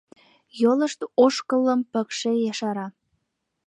Йолышт ошкылым пыкше ешара.